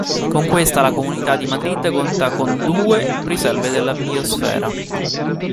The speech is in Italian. Con questa la Comunità di Madrid conta con due Riserve della Biosfera.